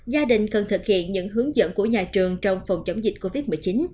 gia đình cần thực hiện những hướng dẫn của nhà trường trong phòng chống dịch covid một mươi chín